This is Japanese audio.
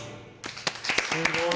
すごい。